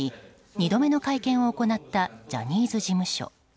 ２度目の会見を行ったジャニーズ事務所。